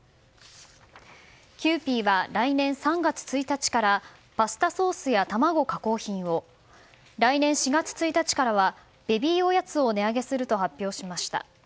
キユーピーは来年３月１日からパスタソースや卵加工品を来年４月１日からはベビーおやつを値上げすると発表しました。